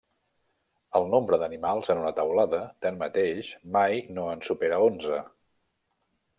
El nombre d'animals en una teulada, tanmateix, mai no en supera onze.